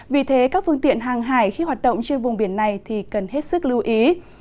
vì thế các phương tiện hàng hải khi hoạt động trên vùng biển này cần hết sức lưu ý